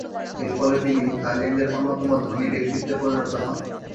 এরফলে তিনি থাইল্যান্ডের অন্যতম ধনী ব্যক্তিত্বে পরিণত হন।